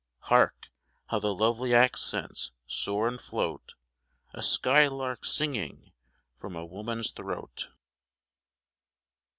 Hark ! how the lovely accents soar and float, A skylark singing from a woman s throat